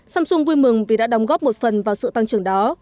samsung vui mừng vì đã đóng góp một phần vào sự tăng trưởng đó